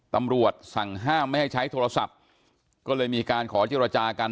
ตำรวจสั่งห้ามไม่ให้ใช้โทรศัพท์ก็เลยมีการขอเจรจากัน